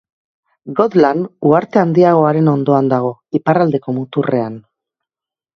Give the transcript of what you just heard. Gotland uharte handiagoaren ondoan dago, iparraldeko muturrean.